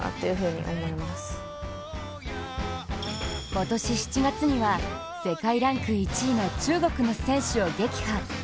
今年７月には世界ランク１位の中国の選手を撃破。